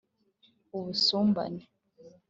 ubusumbane